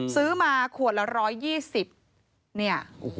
ซื้อมาขวดละ๑๒๐เนี่ย